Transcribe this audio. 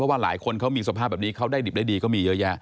ว่าหลายคนเขามีสภาพแบบนี้เขาได้ดิบได้ดีก็มีเยอะแยะ